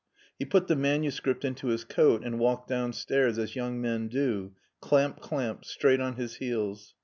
He put the manuscript into his coat and walked downstairs as young men do — clamp, clamp, straight on his heels.